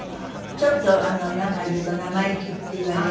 ちょっとなんか言うと生意気って言われるし。